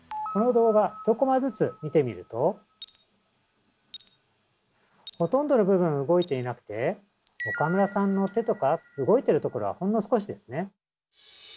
この動画１コマずつ見てみるとほとんどの部分動いていなくて岡村さんの手とか動いてるところはほんの少しですね。